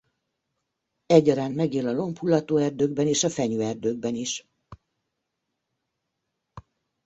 Egyaránt megél a lombhullató erdőkben és a fenyőerdőkben is.